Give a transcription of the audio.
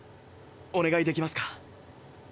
お願いできますか？